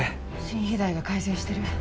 心肥大が改善してる。